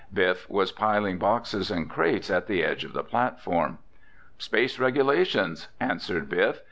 Biff was piling boxes and crates at the edge of the platform. "Space regulations," answered Biff.